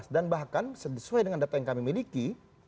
dan bahkan sesuai dengan data yang kami miliki